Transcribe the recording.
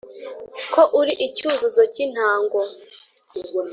Ko uri icyuzuzo cyintango.